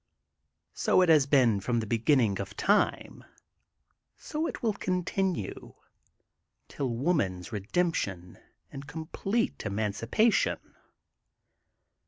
So it has been from the beginning of time, so it will continue till woman's redemption and com plete emancipation.